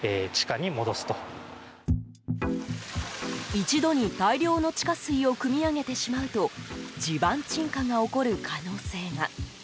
一度に大量の地下水をくみ上げてしまうと地盤沈下が起こる可能性が。